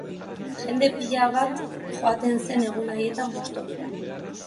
Jende pila bat joaten zen egun haietan Bostonera.